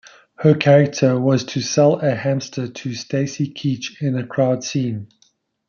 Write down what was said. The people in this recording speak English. Her character was to sell a hamster to Stacy Keach in a crowd scene.